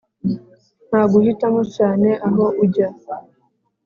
nta guhitamo cyane aho ujya.